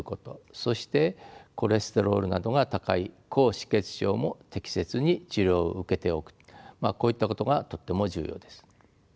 そしてコレステロールなどが高い高脂血症も適切に治療を受けておくまあこういったことがとっても重要です。